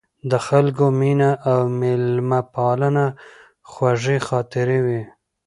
د خلکو مینه او میلمه پالنه خوږې خاطرې وې.